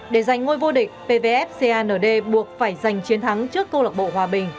để giành ngôi vô địch pvf cand buộc phải giành chiến thắng trước câu lạc bộ hòa bình